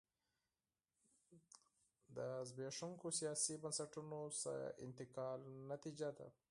له زبېښونکو سیاسي بنسټونو څخه انتقال نتیجه ده.